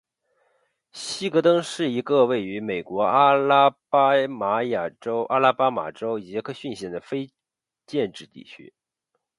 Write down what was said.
希格登是一个位于美国阿拉巴马州杰克逊县的非建制地区。